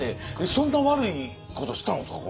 そんな悪いことしたんですか？